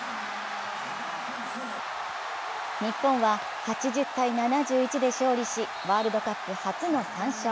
日本は８０−７１で勝利し、ワールドカップ初の３勝。